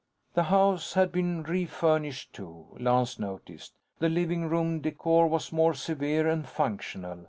The house had been refurnished too, Lance noticed. The living room decor was more severe and functional.